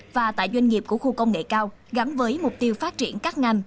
và tại doanh nghiệp của khu công nghệ cao gắn với mục tiêu phát triển các ngành